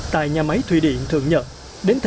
tại nhà máy thủy điện thượng nhật